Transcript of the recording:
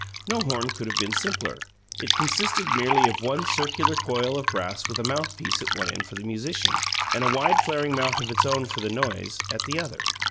No horn could have been simpler: it consisted merely of one circular coil of brass with a mouthpiece at one end for the musician, and a wide flaring mouth of its own, for the noise, at the other.